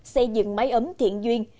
xây dựng máy ấm thiện duyên